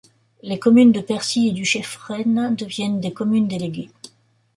Les communes de Percy et du Chefresne deviennent des communes déléguées.